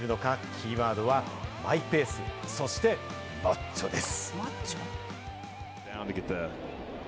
キーワードはマイペース、そしてマッチョです。